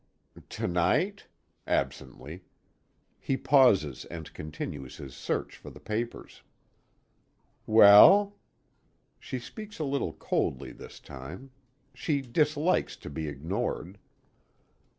"To night?" absently. He pauses and continues his search for the papers. "Well?" She speaks a little coldly this time. She dislikes to be ignored.